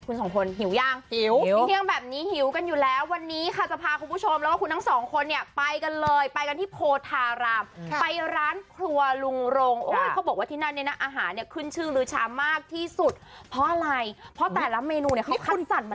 คุณสองคนหิวยังหิวหิวเที่ยงแบบนี้หิวกันอยู่แล้ววันนี้ค่ะจะพาคุณผู้ชมแล้วก็คุณทั้งสองคนเนี่ยไปกันเลยไปกันที่โพธารามไปร้านครัวลุงโรงโอ้ยเขาบอกว่าที่นั่นเนี่ยนะอาหารเนี่ยขึ้นชื่อลื้อชามากที่สุดเพราะอะไรเพราะแต่ละเมนูเนี่ยเขาจัดมา